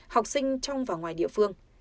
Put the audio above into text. học sinh trong và ngoài địa phương